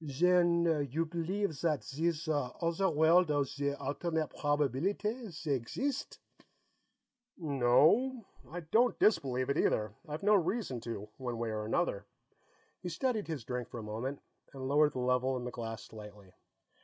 "Zen you believe zat zeese ozzer world of zee alternate probabeelitay, zey exist?" "No. I don't disbelieve it, either. I've no reason to, one way or another." He studied his drink for a moment, and lowered the level in the glass slightly.